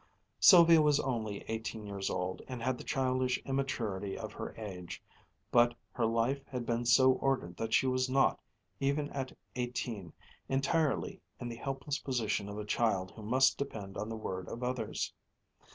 Sylvia was only eighteen years old and had the childish immaturity of her age, but her life had been so ordered that she was not, even at eighteen, entirely in the helpless position of a child who must depend on the word of others.